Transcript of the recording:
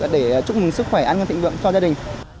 để chúc mừng sức khỏe an nhân thịnh vượng cho gia đình